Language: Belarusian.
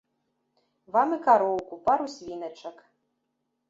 Вам і кароўку, пару свіначак.